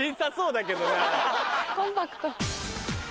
コンパクト。